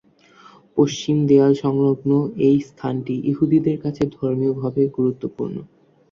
পশ্চিম দেয়াল সংলগ্ন এই স্থানটি ইহুদিদের কাছে ধর্মীয়ভাবে গুরুত্বপূর্ণ।